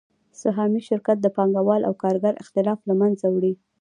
سهامي شرکت د پانګوال او کارګر اختلاف له منځه وړي